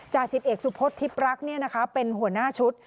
จาศิษย์เอกสุพฤษธิปรักษ์เป็นหัวหน้าชุด